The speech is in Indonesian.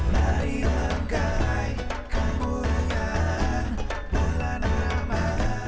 dari langkai kemuliaan bulan ramadhan